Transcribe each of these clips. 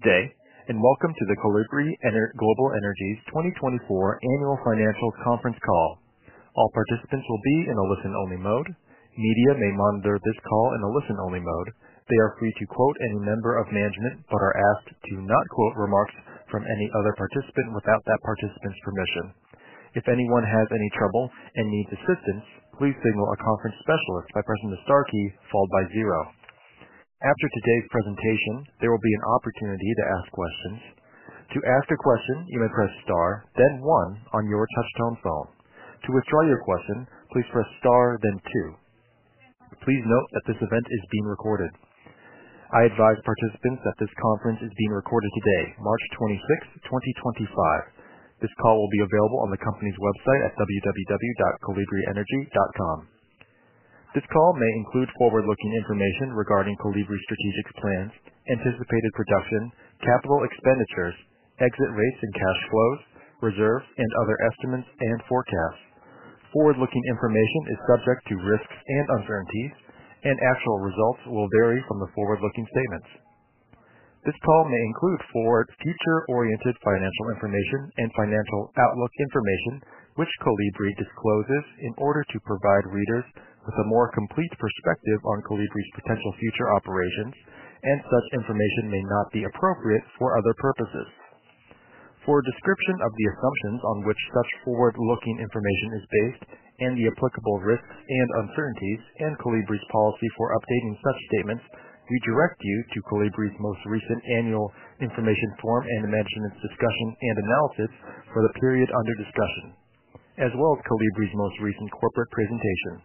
Good day, and welcome to the Kolibri Global Energy's 2024 Annual Financials Conference Call. All participants will be in a listen-only mode. Media may monitor this call in a listen-only mode. They are free to quote any member of management but are asked to not quote remarks from any other participant without that participant's permission. If anyone has any trouble and needs assistance, please signal a conference specialist by pressing the star key followed by zero. After today's presentation, there will be an opportunity to ask questions. To ask a question, you may press star, then one on your touch-tone phone. To withdraw your question, please press star, then two. Please note that this event is being recorded. I advise participants that this conference is being recorded today, March 26th, 2025. This call will be available on the company's website at www.kolibrienergy.com. This call may include forward-looking information regarding Kolibri's strategic plans, anticipated production, capital expenditures, exit rates and cash flows, reserves, and other estimates and forecasts. Forward-looking information is subject to risks and uncertainties, and actual results will vary from the forward-looking statements. This call may include forward-oriented financial information and financial outlook information which Kolibri discloses in order to provide readers with a more complete perspective on Kolibri's potential future operations, and such information may not be appropriate for other purposes. For a description of the assumptions on which such forward-looking information is based and the applicable risks and uncertainties in Kolibri's policy for updating such statements, we direct you to Kolibri's most recent annual information form and management's discussion and analysis for the period under discussion, as well as Kolibri's most recent corporate presentation,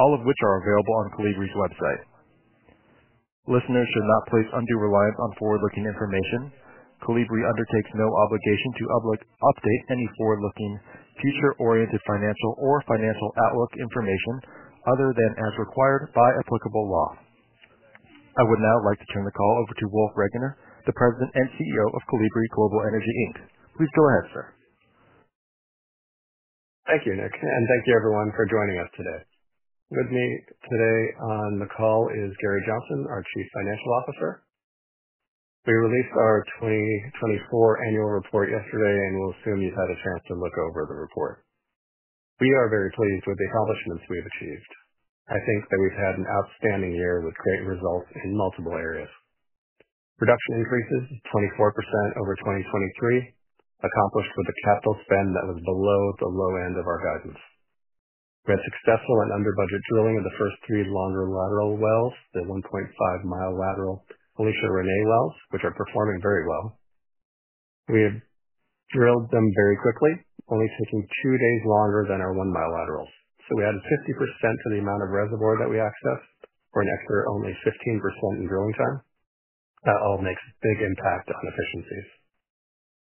all of which are available on Kolibri's website. Listeners should not place undue reliance on forward-looking information. Kolibri undertakes no obligation to update any forward-looking, future-oriented financial or financial outlook information other than as required by applicable law. I would now like to turn the call over to Wolf Regener, the President and CEO of Kolibri Global Energy. Please go ahead, sir. Thank you, Nick, and thank you, everyone, for joining us today. With me today on the call is Gary Johnson, our Chief Financial Officer. We released our 2024 annual report yesterday, and we'll assume you've had a chance to look over the report. We are very pleased with the accomplishments we've achieved. I think that we've had an outstanding year with great results in multiple areas. Production increases of 24% over 2023, accomplished with a capital spend that was below the low end of our guidance. We had successful and under-budget drilling of the first three longer lateral wells, the 1.5 mi lateral Alicia Renee wells, which are performing very well. We have drilled them very quickly, only taking two days longer than our one-mile laterals. We added 50% to the amount of reservoir that we accessed for an extra only 15% in drilling time. That all makes a big impact on efficiencies.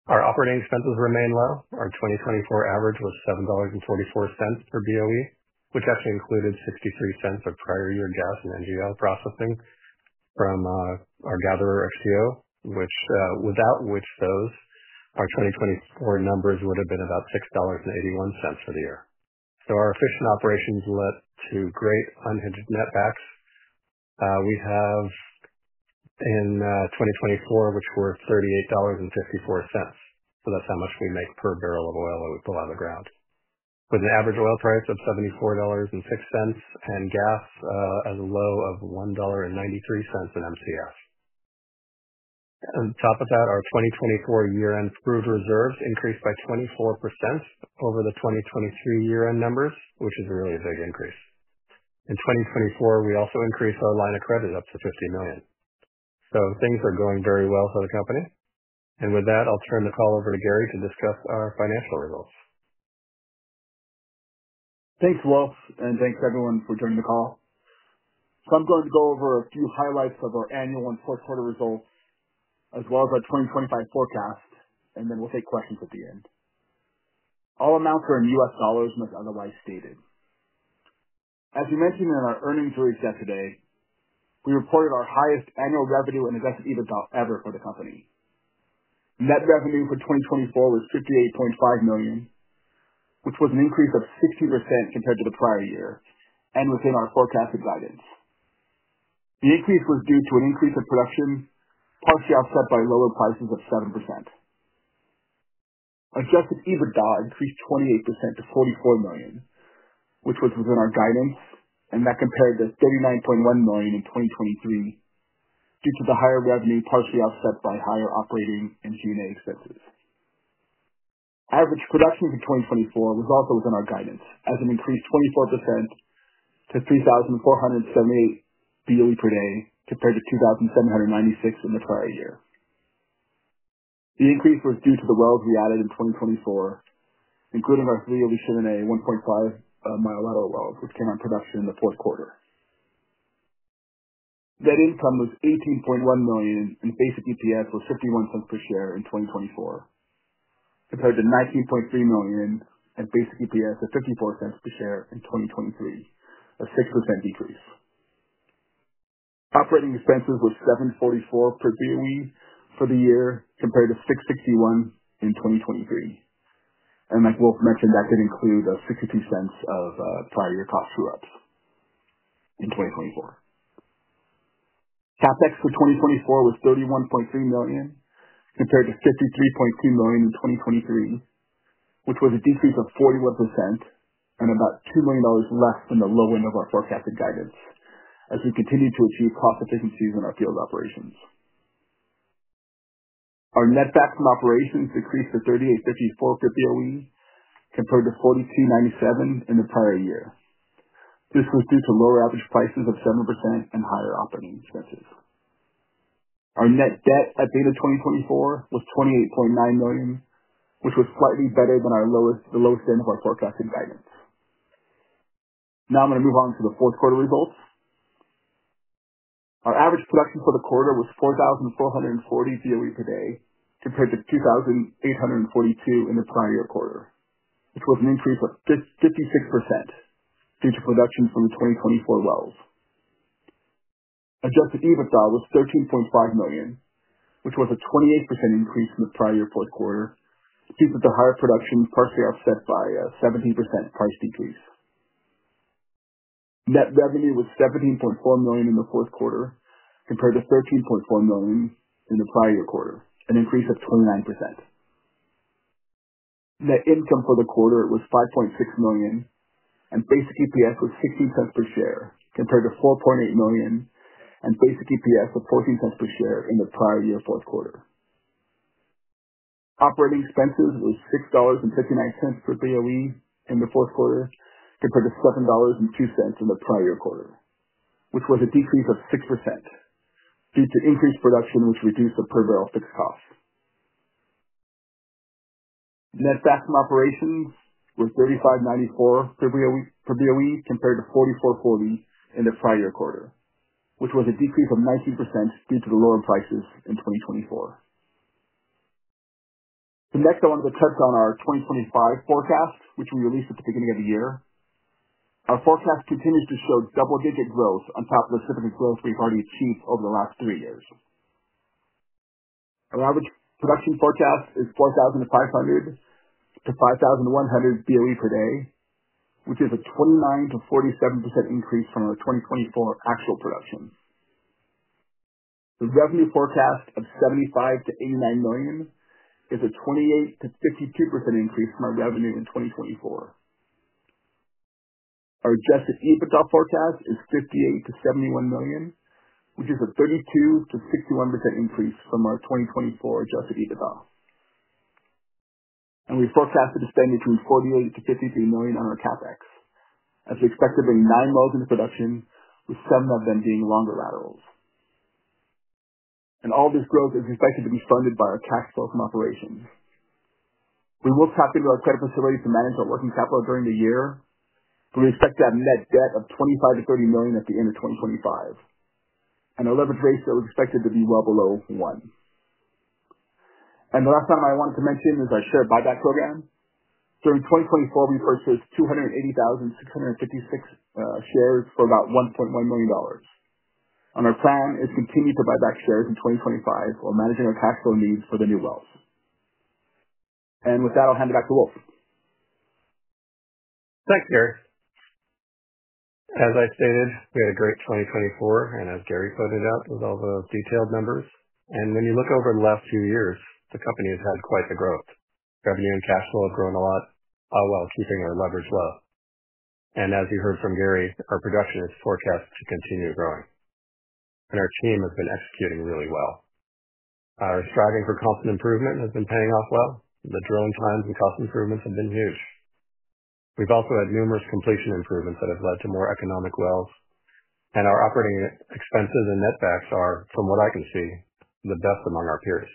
Our operating expenses remain low. Our 2024 average was $7.44 per BOE, which actually included $0.63 of prior-year gas and NGL processing from our gatherer XTO, without which our 2024 numbers would have been about $6.81 for the year. Our efficient operations led to great unhedged netback. We have in 2024, which were $38.54. That is how much we make per barrel of oil that we pull out of the ground, with an average oil price of $74.06 and gas as low as $1.93 an MCF. On top of that, our 2024 year-end proved reserves increased by 24% over the 2023 year-end numbers, which is really a big increase. In 2024, we also increased our line of credit up to $50 million. Things are going very well for the company. With that, I'll turn the call over to Gary to discuss our financial results. Thanks, Wolf, and thanks, everyone, for joining the call. I am going to go over a few highlights of our annual and fourth-quarter results, as well as our 2025 forecast, and then we will take questions at the end. All amounts are in US dollars unless otherwise stated. As you mentioned in our earnings release yesterday, we reported our highest annual revenue and adjusted EBITDA ever for the company. Net revenue for 2024 was $58.5 million, which was an increase of 60% compared to the prior year and within our forecasted guidance. The increase was due to an increase in production, partially offset by lower prices of 7%. Adjusted EBITDA increased 28% to $44 million, which was within our guidance, and that compared to $39.1 million in 2023 due to the higher revenue, partially offset by higher operating and G&A expenses. Average production for 2024 was also within our guidance, as it increased 24% to $3,478 BOE per day compared to $2,796 in the prior year. The increase was due to the wells we added in 2024, including our three Alicia Renee 1.5-mile lateral wells, which came on production in the fourth quarter. Net income was $18.1 million, and basic EPS was $0.51 per share in 2024, compared to $19.3 million and basic EPS of $0.54 per share in 2023, a 6% decrease. Operating expenses were $7.44 per BOE for the year compared to $6.61 in 2023. Like Wolf mentioned, that did include $0.62 of prior-year cost true-ups in 2024. CapEx for 2024 was $31.3 million compared to $53.2 million in 2023, which was a decrease of 41% and about $2 million less than the low end of our forecasted guidance as we continued to achieve cost efficiencies in our field operations. Our netback from operations decreased to $38.54 per BOE compared to $42.97 in the prior year. This was due to lower average prices of 7% and higher operating expenses. Our net debt at the end of 2024 was $28.9 million, which was slightly better than the lowest end of our forecasted guidance. Now I'm going to move on to the fourth-quarter results. Our average production for the quarter was 4,440 BOE per day compared to 2,842 in the prior-year quarter, which was an increase of 56% due to production from the 2024 wells. Adjusted EBITDA was $13.5 million, which was a 28% increase from the prior-year fourth quarter, due to the higher production partially offset by a 17% price decrease. Net revenue was $17.4 million in the fourth quarter compared to $13.4 million in the prior-year quarter, an increase of 29%. Net income for the quarter was $5.6 million, and basic EPS was $0.16 per share compared to $4.8 million and basic EPS of $0.14 per share in the prior-year fourth quarter. Operating expenses were $6.59 per BOE in the fourth quarter compared to $7.02 in the prior-year quarter, which was a decrease of 6% due to increased production, which reduced the per barrel fixed cost. Netback from operations was $35.94 per BOE compared to $44.40 in the prior-year quarter, which was a decrease of 19% due to the lower prices in 2024. Next, I wanted to touch on our 2025 forecast, which we released at the beginning of the year. Our forecast continues to show double-digit growth on top of the significant growth we've already achieved over the last three years. Our average production forecast is 4,500-5,100 BOE per day, which is a 29%-47% increase from our 2024 actual production. The revenue forecast of $75 million-$89 million is a 28%-52% increase from our revenue in 2024. Our adjusted EBITDA forecast is $58 million-$71 million, which is a 32%-61% increase from our 2024 adjusted EBITDA. We forecasted to spend between $48 million-$53 million on our CapEx, as we expect to bring nine wells into production, with seven of them being longer laterals. All this growth is expected to be funded by our cash flow from operations. We will tap into our credit facility to manage our working capital during the year, but we expect to have net debt of $25 million-$30 million at the end of 2025. Our leverage ratio is expected to be well below one. The last item I wanted to mention is our share buyback program. During 2024, we purchased 280,656 shares for about $1.1 million. Our plan is to continue to buy back shares in 2025 while managing our cash flow needs for the new wells. With that, I'll hand it back to Wolf. Thanks, Gary. As I stated, we had a great 2024, and as Gary pointed out with all the detailed numbers. When you look over the last few years, the company has had quite the growth. Revenue and cash flow have grown a lot, while keeping our leverage low. As you heard from Gary, our production is forecast to continue growing. Our team has been executing really well. Our striving for constant improvement has been paying off well. The drilling times and cost improvements have been huge. We've also had numerous completion improvements that have led to more economic wells. Our operating expenses and netback are, from what I can see, the best among our peers.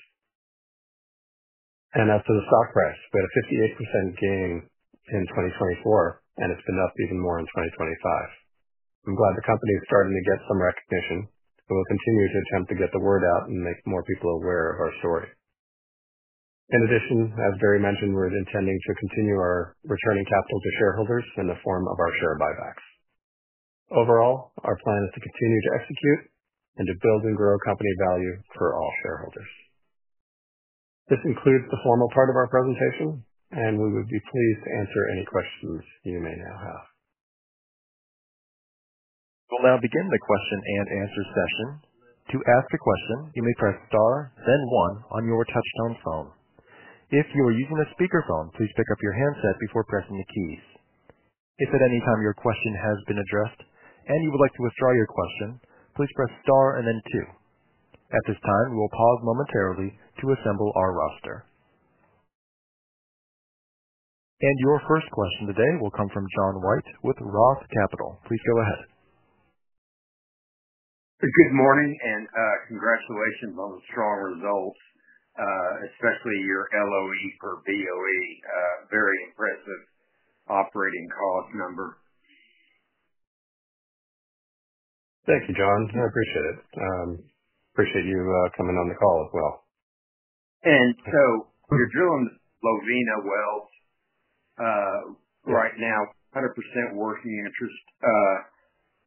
As to the stock price, we had a 58% gain in 2024, and it's been up even more in 2025. I'm glad the company is starting to get some recognition, and we'll continue to attempt to get the word out and make more people aware of our story. In addition, as Gary mentioned, we're intending to continue our returning capital to shareholders in the form of our share buybacks. Overall, our plan is to continue to execute and to build and grow company value for all shareholders. This includes the formal part of our presentation, and we would be pleased to answer any questions you may now have. We'll now begin the question and answer session. To ask a question, you may press star, then one on your touch-tone phone. If you are using a speakerphone, please pick up your handset before pressing the keys. If at any time your question has been addressed and you would like to withdraw your question, please press star and then two. At this time, we will pause momentarily to assemble our roster. Your first question today will come from John White with Roth Capital. Please go ahead. Good morning and congratulations on the strong results, especially your LOE per BOE. Very impressive operating cost number. Thank you, John. I appreciate it. Appreciate you coming on the call as well. You're drilling the Lovina wells right now. 100% working interest.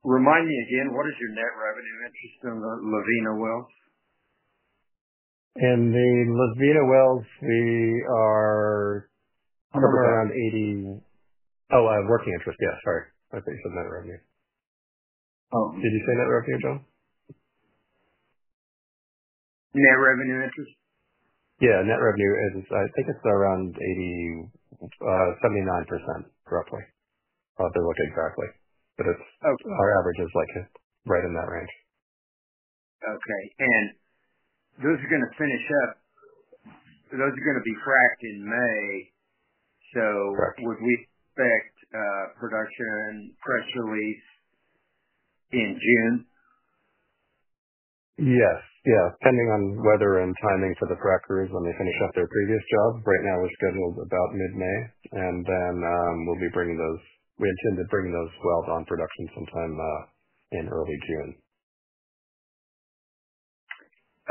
Remind me again, what is your net revenue interest in the Lovina wells? In the Lovina wells, we are around 80%. 100%? Oh, working interest. Yeah, sorry. I thought you said net revenue. Did you say net revenue, John? Net revenue interest. Yeah, net revenue is, I think it's around 79%, roughly. I'll have to look exactly, but our average is right in that range. Okay. Those are going to finish up. Those are going to be fracked in May. Would we expect production press release in June? Yes. Yeah. Depending on weather and timing for the frackers when they finish up their previous job. Right now, we're scheduled about mid-May, and then we'll be bringing those—we intend to bring those wells on production sometime in early June.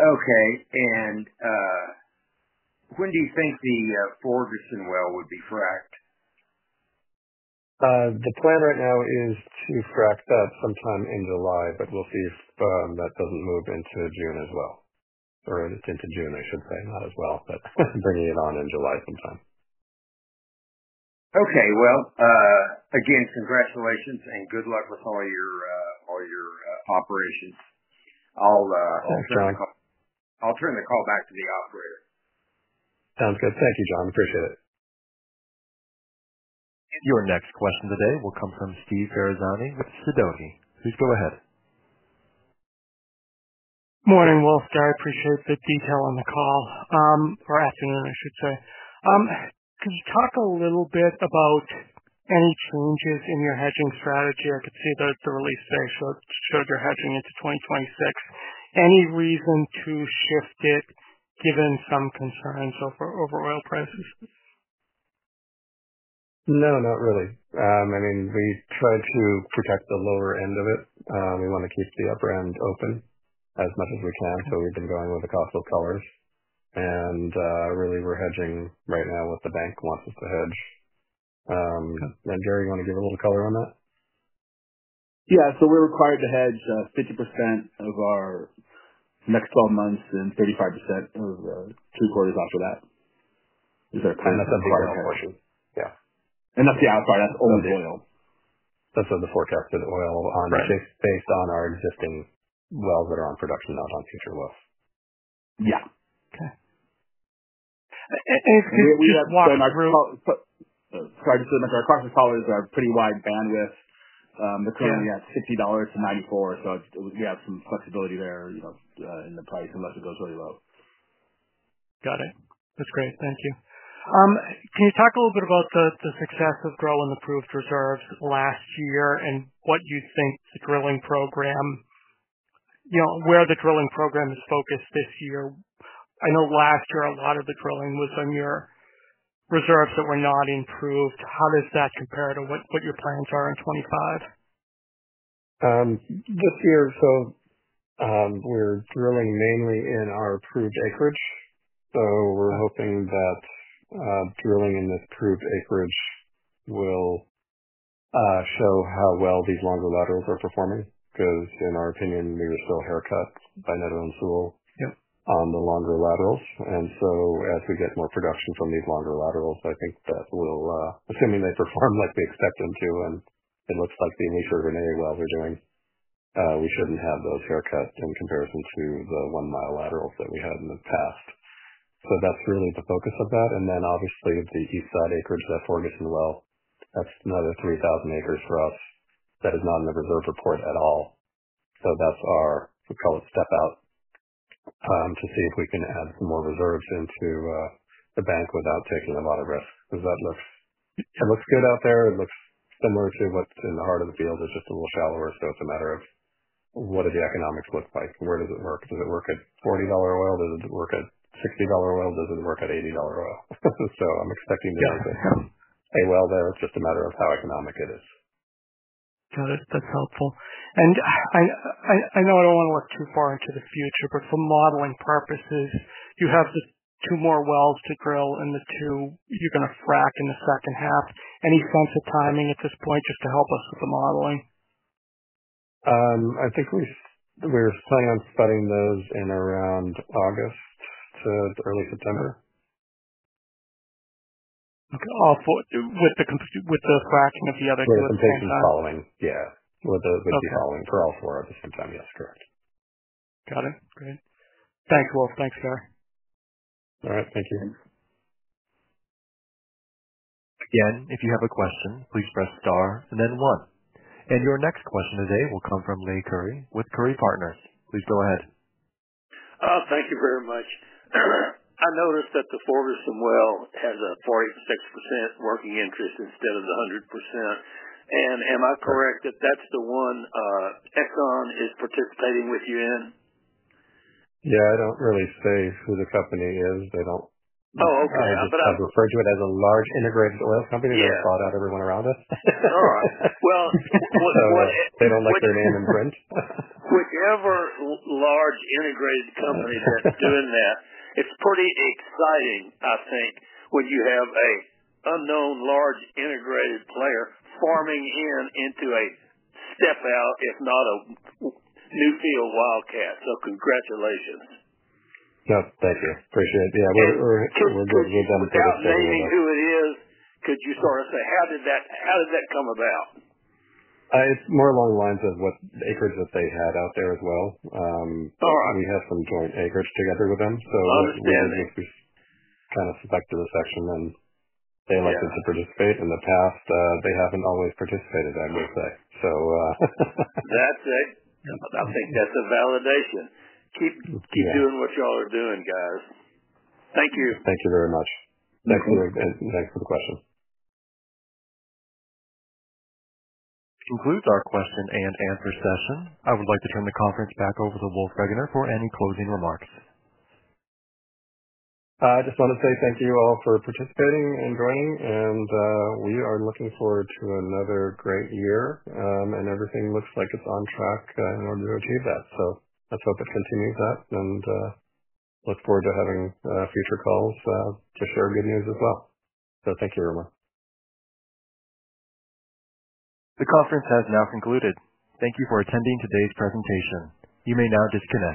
Okay. When do you think the Ferguson well would be fracked? The plan right now is to frack that sometime in July, but we'll see if that doesn't move into June. Or it's into June, I should say, not as well, but bringing it on in July sometime. Okay. Again, congratulations and good luck with all your operations. I'll turn the call back to the operator. Sounds good. Thank you, John. Appreciate it. Your next question today will come from Steve Ferazani with Sidoti. Please go ahead. Morning, Wolf. I appreciate the detail on the call. Or afternoon, I should say. Could you talk a little bit about any changes in your hedging strategy? I could see that the release day showed your hedging into 2026. Any reason to shift it given some concerns over oil prices? No, not really. I mean, we try to protect the lower end of it. We want to keep the upper end open as much as we can. We have been going with the costless collars. Really, we are hedging right now what the bank wants us to hedge. Gary, you want to give a little color on that? Yeah. So we're required to hedge 50% of our next 12 months and 35% of three quarters after that. Is that correct? That's a BOE portion. Yeah. That's the outside. That's only the oil. That's the forecasted oil based on our existing wells that are on production, not on future wells. Yeah. Okay. We have watched our costless collars are a pretty wide bandwidth. The current, yeah, it's $60.94. So we have some flexibility there in the price unless it goes really low. Got it. That's great. Thank you. Can you talk a little bit about the success of drilling the proved reserves last year and what you think the drilling program—where the drilling program is focused this year? I know last year a lot of the drilling was on your reserves that were not improved. How does that compare to what your plans are in 2025? This year, we are drilling mainly in our proved acreage. We are hoping that drilling in this proved acreage will show how well these longer laterals are performing because, in our opinion, we were still haircut by Netherland, Sewell & Associates on the longer laterals. As we get more production from these longer laterals, I think that will—assuming they perform like we expect them to, and it looks like the Alicia Renee wells are doing—we should not have those haircut in comparison to the one-mile laterals that we had in the past. That is really the focus of that. Obviously, the east side acreage, that Ferguson well, that is another 3,000 ac for us. That is not in the reserve report at all. That is our, we call it, step out to see if we can add some more reserves into the bank without taking a lot of risk because that looks good out there. It looks similar to what is in the heart of the field. It is just a little shallower. It is a matter of what do the economics look like? Where does it work? Does it work at $40 oil? Does it work at $60 oil? Does it work at $80 oil? I am expecting there to be a well there. It is just a matter of how economic it is. Got it. That's helpful. I know I don't want to look too far into the future, but for modeling purposes, you have the two more wells to drill and the two you're going to frack in the second half. Any sense of timing at this point just to help us with the modeling? I think we're planning on spudding those in around August to early September. Okay. With the fracking of the other two at the same time? With the same following. Yeah. With the following for all four at the same time. Yes. Correct. Got it. Great. Thanks, Wolf. Thanks, Gary. All right. Thank you. Again, if you have a question, please press star and then one. Your next question today will come from Leigh Curry with Curry Partners. Please go ahead. Thank you very much. I noticed that the Ferguson well has a 46% working interest instead of the 100%. Am I correct that that's the one Exxon is participating with you in? Yeah. I don't really say who the company is. They don't— Oh, okay. I refer to it as a large integrated oil company that has bought out everyone around us. All right. Whatever. They don't like their name in print. Whichever large integrated company that's doing that, it's pretty exciting, I think, when you have an unknown large integrated player farming into a step out, if not a new field wildcat. Congratulations. Yep. Thank you. Appreciate it. Yeah. We're good. We've done a good job. Explaining who it is, could you sort of say, how did that come about? It's more along the lines of what acreage that they had out there as well. We have some joint acreage together with them. We are kind of subject to the section, and they elected to participate. In the past, they have not always participated, I will say. That's it. I think that's a validation. Keep doing what y'all are doing, guys. Thank you. Thank you very much. Thanks for the question. Concludes our question and answer session. I would like to turn the conference back over to Wolf Regener for any closing remarks. I just want to say thank you all for participating and joining. We are looking forward to another great year. Everything looks like it's on track in order to achieve that. Let's hope it continues that way. I look forward to having future calls to share good news as well. Thank you everyone. The conference has now concluded. Thank you for attending today's presentation. You may now disconnect.